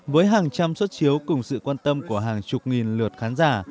với hàng trăm xuất chiếu cùng sự quan tâm của hàng chục nghìn lượt khán giả